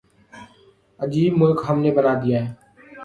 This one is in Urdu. عجیب ملک ہم نے بنا دیا ہے۔